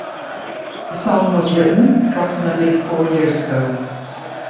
The song was written approximately four years ago.